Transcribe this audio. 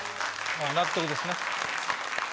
納得ですね。